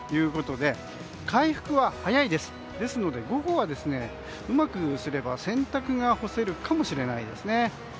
ですので、午後はうまくすれば洗濯が干せるかもしれないですね。